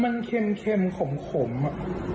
มันเค็มขมอะ